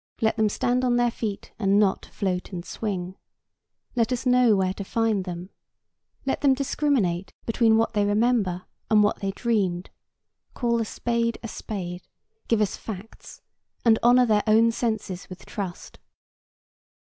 Let them stand on their feet, and not float and swing. Let us know where to find them. Let them discriminate between what they remember and what they dreamed, call a spade a spade, give us facts, and honor their own senses with trust.